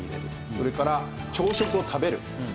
それから朝食を食べる。